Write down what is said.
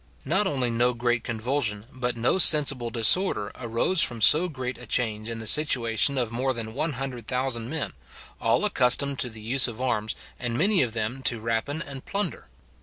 Not only no great convulsion, but no sensible disorder, arose from so great a change in the situation of more than 100,000 men, all accustomed to the use of arms, and many of them to rapine and plunder.